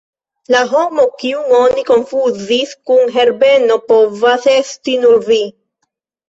La homo, kiun oni konfuzis kun Herbeno povas esti nur vi.